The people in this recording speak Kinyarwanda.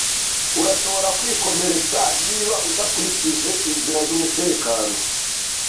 Urashobora kwikomeretsa niba udakurikije inzira z'umutekano.